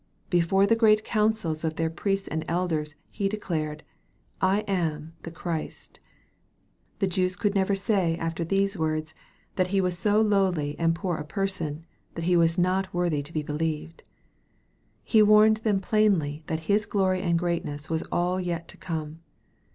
Before the great councils of their priests and elders, He declared, " I am the Christ." The Jews could never say after these words, that He was so lowly and poor a person, that He was not wo. thy to be believed. He warned them plainly that His glory and greatness was all yet to come.